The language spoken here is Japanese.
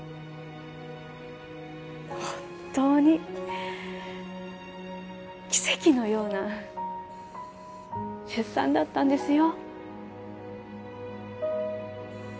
本当に奇跡のような出産だったんですよ。